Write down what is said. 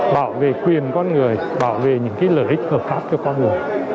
bảo vệ quyền con người bảo vệ những lợi ích hợp pháp cho con người